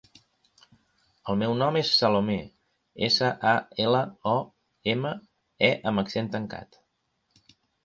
El meu nom és Salomé: essa, a, ela, o, ema, e amb accent tancat.